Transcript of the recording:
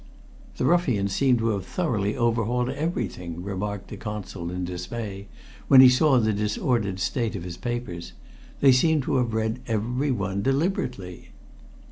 "The ruffians seem to have thoroughly overhauled everything," remarked the Consul in dismay when he saw the disordered state of his papers. "They seem to have read every one deliberately."